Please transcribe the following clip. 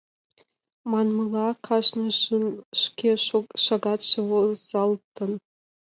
Манмыла, кажныжын шке шагатше возалтын.